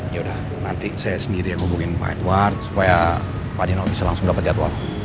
ya udah nanti saya sendiri yang hubungin pak edward supaya pak dino bisa langsung dapat jadwal